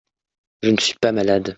Je ne suis pas malade.